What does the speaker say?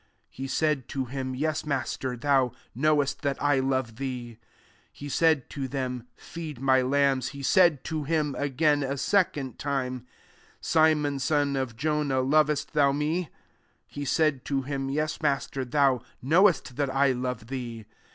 "* He said to him, "Yes, Master: thou knowest that I love thee." He said to hin^, " Feed my lambs." 16 He said to him again a second time ," Simon son of Jonah, lovest thou me f* He said to him, " Yes, Masten thou knowest that I love thee."